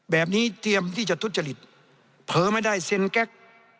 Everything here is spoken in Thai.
เตรียมที่จะทุจริตเผลอไม่ได้เซ็นแก๊ก